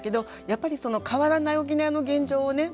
やっぱりその変わらない沖縄の現状をね